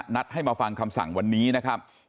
นัดให้มาฟังคำสั่งวันนี้นะครับ